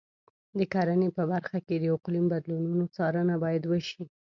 د کرنې په برخه کې د اقلیم بدلونونو څارنه باید وشي.